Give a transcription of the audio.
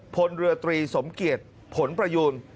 พลเรือตรีสมเกียจผลประยูน